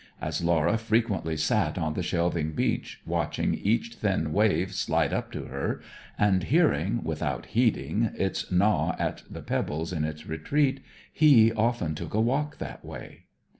As Laura frequently sat on the shelving beach, watching each thin wave slide up to her, and hearing, without heeding, its gnaw at the pebbles in its retreat, he often took a walk that way.